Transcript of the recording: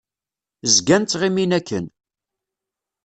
Zgan ttɣimin akken.